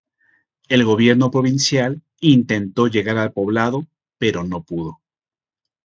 El gobierno provincial intentó llegar al poblado pero no pudo.